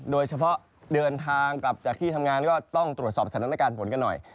โดยเฉพาะเดินทางกลับจากที่ทำงานก็ต้องตรวจสอบสถานการณ์ฝนกันหน่อย